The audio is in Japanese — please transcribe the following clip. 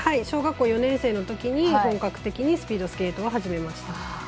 小学校４年生のときに本格的にスピードスケートを始めました。